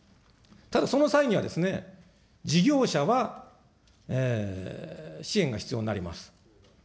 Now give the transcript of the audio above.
ただその際にはですね、事業者は支援が必要になります。